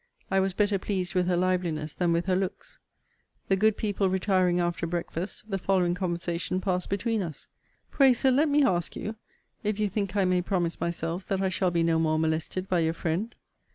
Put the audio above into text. I was better pleased with her liveliness than with her looks. The good people retiring after breakfast, the following conversation passed between us: Pray, Sir, let me ask you, if you think I may promise myself that I shall be no more molested by your friend?